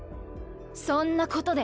そんなことで。